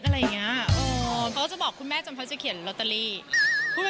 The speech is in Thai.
แล้วคุณแม่จะเป็นจะเขียนเลขซ้วยนะ